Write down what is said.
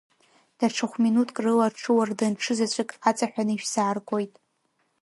Даҽа хә-минуҭк рыла аҽыуардын ҽызаҵәык аҵаҳәаны ишәзааргоит.